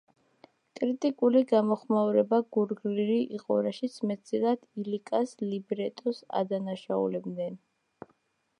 კრიტიკული გამოხმაურება გულგრილი იყო, რაშიც, მეტწილად, ილიკას ლიბრეტოს ადანაშაულებდნენ.